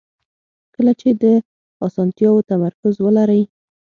کله چې په اسانتیاوو تمرکز ولرئ.